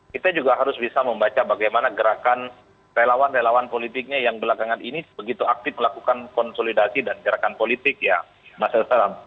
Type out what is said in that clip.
kita juga harus bisa membaca bagaimana gerakan relawan relawan politiknya yang belakangan ini begitu aktif melakukan konsolidasi dan gerakan politik ya mas salam